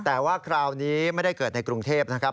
แต่ว่าคราวนี้ไม่ได้เกิดในกรุงเทพนะครับ